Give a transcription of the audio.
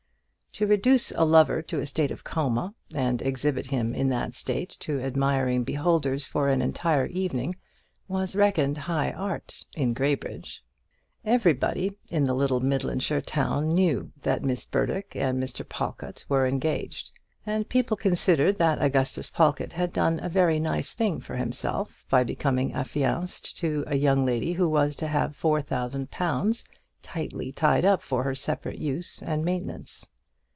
To reduce a lover to a state of coma, and exhibit him in that state to admiring beholders for an entire evening, was reckoned high art in Graybridge. Everybody in the little Midlandshire town knew that Miss Burdock and Mr. Pawlkatt were engaged; and people considered that Augustus Pawlkatt had done a very nice thing for himself by becoming affianced to a young lady who was to have four thousand pounds tightly tied up for her separate use and maintenance.